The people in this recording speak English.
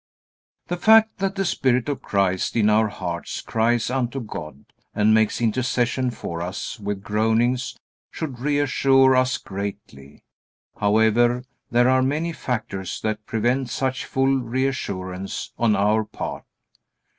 The fact that the Spirit of Christ in our hearts cries unto God and makes intercession for us with groanings should reassure us greatly. However, there are many factors that prevent such full reassurance on our part.